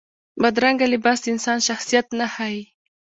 بدرنګه لباس د انسان شخصیت نه ښيي